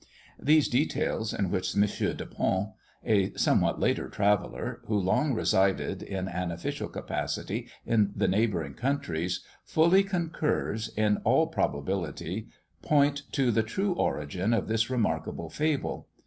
These details, in which M. de Pons, a somewhat later traveller, who long resided in an official capacity in the neighbouring countries, fully concurs, in all probability point to the true origin of this remarkable fable.